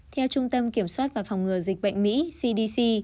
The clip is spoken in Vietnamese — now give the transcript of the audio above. theo trung tâm kiểm soát và phòng ngừa dịch bệnh mỹ cdc